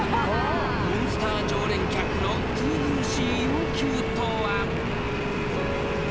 ［モンスター常連客のずうずうしい要求とは］